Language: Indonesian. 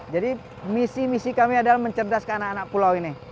jadi misi misi kami adalah mencerdaskan anak anak pulau ini